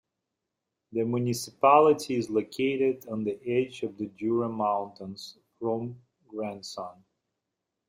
The municipality is located on the edge of the Jura Mountains, from Grandson.